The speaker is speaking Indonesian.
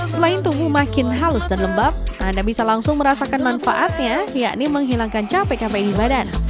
selain tubuh makin halus dan lembab anda bisa langsung merasakan manfaatnya yakni menghilangkan capek capek di badan